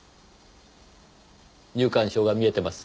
入館証が見えてます。